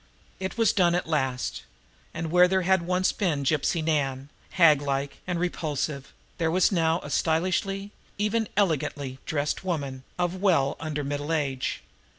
It was done at last and where there had once been Gypsy Nan, haglike and repulsive, there was now a stylishly, even elegantly, dressed woman of well under middle age.